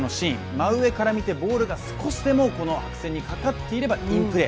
真上から見てボールが少しでも線にかかっていればインプレー。